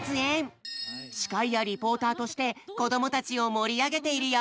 司会やリポーターとして子どもたちを盛り上げているよ！